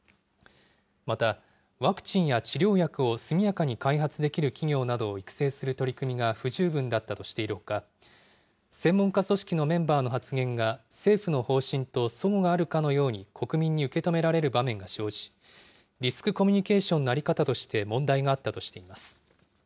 また、ワクチンや治療薬を速やかに開発できる企業などを育成する取り組みが不十分だったとしているほか、専門家組織のメンバーの発言が政府の方針とそごがあるかのように国民に受け止められる場面が生じ、リスクコミュニケーションの在り方として問題があったとしています。